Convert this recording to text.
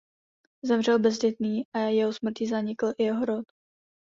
Zemřel bezdětný a jeho smrtí zanikl i jeho rod.